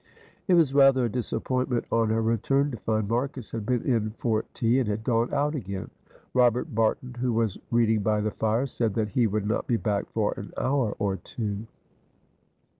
It was rather a disappointment on her return to find Marcus had been in for tea and had gone out again. Robert Barton, who was reading by the fire, said that he would not be back for an hour or two.